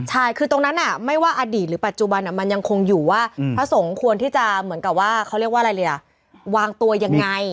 ใช่คือตรงนั้นไม่ว่าอดีตหรือปัจจุบันมันยังคงอยู่ว่าพระสงฆ์ควรที่จะเหมือนกับว่าเขาเรียกว่าอะไรเลยอ่ะวางตัวยังไง